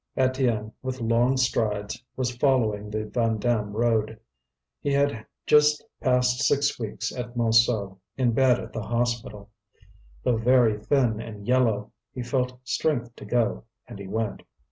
Étienne, with long strides, was following the Vandame road. He had just passed six weeks at Montsou, in bed at the hospital. Though very thin and yellow, he felt strength to go, and he went.